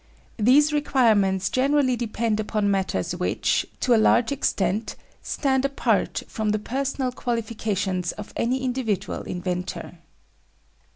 These requirements generally depend upon matters which, to a large extent, stand apart from the personal qualifications of any individual inventor.